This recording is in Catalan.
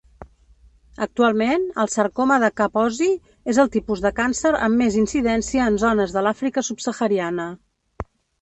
Actualment, el sarcoma de Kaposi és el tipus de càncer amb més incidència en zones de l'Àfrica Subsahariana.